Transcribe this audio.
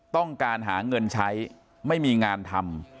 ต้องการหาเงินใช้ไม่มีงานทำ